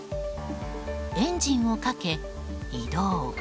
エンジンをかけ、移動。